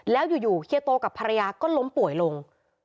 แล้วอยู่เฮียโตกับภรรยาก็ล้มป่วยลง